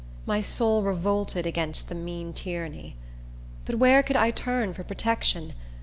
My soul revolted against the mean tyranny. But where could I turn for protection?